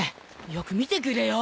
よく見てくれよ。